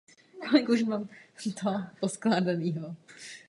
Musíme spolupracovat s dalšími významnými aktéry.